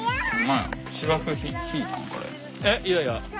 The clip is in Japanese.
えっいやいや。